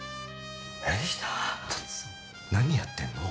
何やってんの？